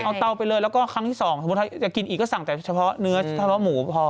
เอาเตาไปเลยแล้วก็ครั้งที่สองสมมุติถ้าจะกินอีกก็สั่งแต่เฉพาะเนื้อเฉพาะหมูพอ